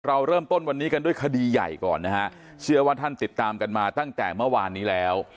เราเริ่มต้นวันนี้กันด้วยคดีใหญ่ก่อนนะฮะเชื่อว่าท่านติดตามกันมาตั้งแต่เมื่อวานนี้แล้ว